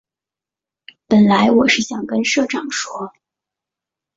本来我是想跟社长说